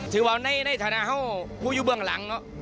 ถือว่าในฐานะเขาผู้อยู่เบื้องหลัง